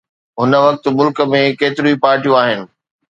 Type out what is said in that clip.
هن وقت ملڪ ۾ ڪيتريون ئي پارٽيون آهن